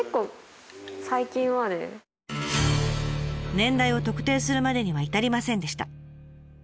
年代を特定するまでには至りませんでした。